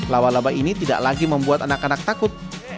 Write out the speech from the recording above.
laba laba ini tidak lagi membuat anak anak takut